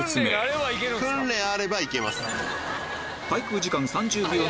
訓練あればいけるんすか？